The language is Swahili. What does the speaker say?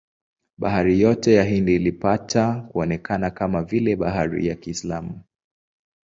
Bahari yote ya Hindi ilipata kuonekana kama vile bahari ya Kiislamu.